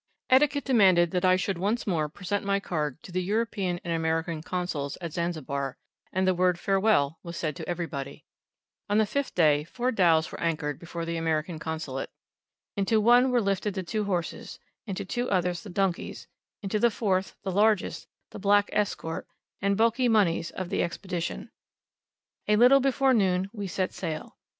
Etiquette demanded that I should once more present my card to the European and American Consuls at Zanzibar, and the word "farewell" was said to everybody. On the fifth day, four dhows were anchored before the American Consulate. Into one were lifted the two horses, into two others the donkeys, into the fourth, the largest, the black escort, and bulky moneys of the Expedition. A little before noon we set sail.